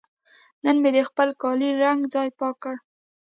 نن مې د خپل کالي رنګه ځای پاک کړ.